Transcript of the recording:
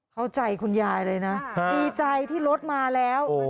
เข้าใจคุณยายเลยนะดีใจที่รถมาแล้ว